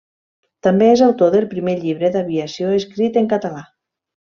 També és autor del primer llibre d'aviació escrit en català.